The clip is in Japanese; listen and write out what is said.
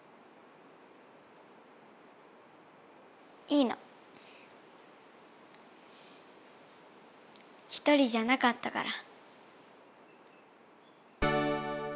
いいの一人じゃなかったから。